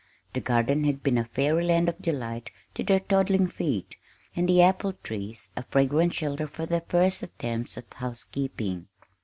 The garden had been a fairyland of delight to their toddling feet, and the apple trees a fragrant shelter for their first attempts at housekeeping.